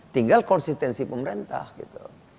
tinggal konsistensi pemerintah gitu